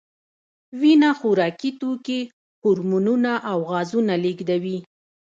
وینه خوراکي توکي، هورمونونه او غازونه لېږدوي.